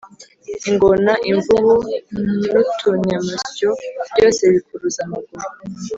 ingona, imvubu, nutunyamasyo byose bikuruza amaguru